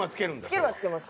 つけるはつけます